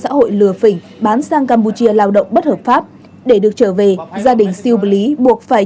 xã hội lừa phỉnh bán sang campuchia lao động bất hợp pháp để được trở về gia đình siêu b lý buộc phải